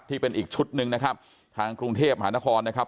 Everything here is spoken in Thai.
ที่เป็นอีกชุดหนึ่งนะครับทางกรุงเทพมหานครนะครับ